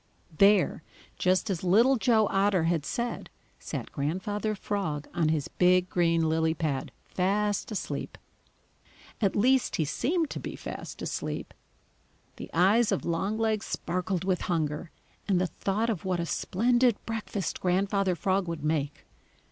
There, just as Little Joe Otter had said, sat Grandfather Frog on his big green lily pad, fast asleep. At least, he seemed to be fast asleep. The eyes of Longlegs sparkled with hunger and the thought of what a splendid breakfast Grandfather Frog would make.